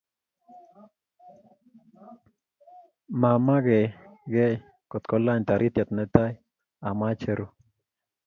mamakekei kotkolany taritiet netai, amache aruu